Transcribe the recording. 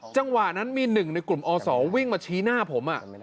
จังหวะนั้นมีหนึ่งในกลุ่มอศวิ่งมาชี้หน้าผม